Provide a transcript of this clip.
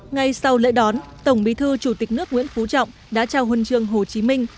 ngay sau lễ đón tổng bí thư chủ tịch nước nguyễn phú trọng đã trao huân trường hồ chí minh